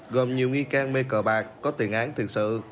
gồm nhiều nghi can mê cờ bạc có tiền án tiền sự